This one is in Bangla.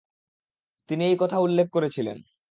তিনি এই কথা উল্লেখ করেছিলেন।